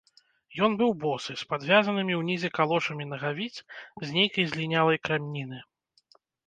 Ён быў босы, з падвязанымі ўнізе калошамі нагавіц з нейкай злінялай крамніны.